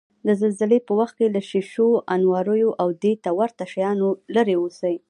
د زلزلې په وخت کې له شیشو، انواریو، او دېته ورته شیانو لرې اوسئ.